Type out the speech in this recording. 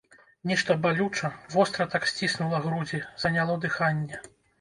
Нешта балюча, востра так сціснула грудзі, заняло дыханне.